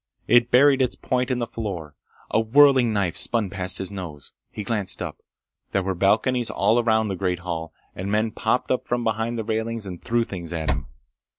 It buried its point in the floor. A whirling knife spun past his nose. He glanced up. There were balconies all around the great hall, and men popped up from behind the railings and threw things at him.